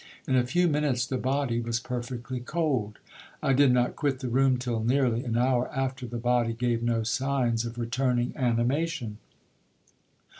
In a few minutes the body was perfectly cold. I did not quit the room till nearly an hour after the body gave no signs of returning animation.